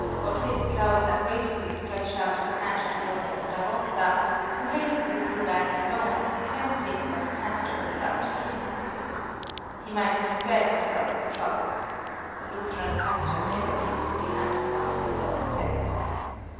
Gottlieb Klausner gratefully stretched out his hand towards the Starosta, who hastily drew back his own, fancying that the pastor was about to kiss it. He might have spared himself the trouble. A Lutheran pastor never kisses the hand of one of his own sex.